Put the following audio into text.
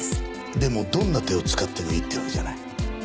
でもどんな手を使ってもいいってわけじゃない。